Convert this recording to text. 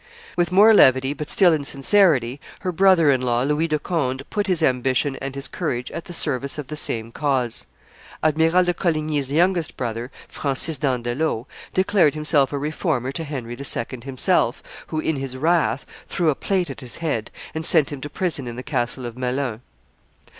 With more levity, but still in sincerity, her brother in law, Louis de Conde, put his ambition and his courage at the service of the same cause. Admiral de Coligny's youngest brother, Francis d'Andelot, declared himself a Reformer to Henry II. himself, who, in his wrath, threw a plate at his head, and sent him to prison in the castle of Melun.